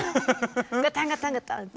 ガタンガタンガタンって。